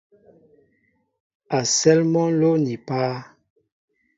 A sέέl mɔ nló ni páá.